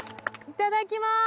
いただきます！